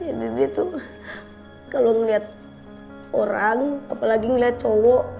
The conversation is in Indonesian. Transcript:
ya dia tuh kalau ngeliat orang apalagi ngeliat cowok